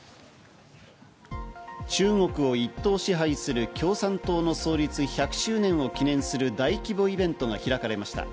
中国を一党支配する共産党の創立１００周年を記念する大規模イベントが開かれました。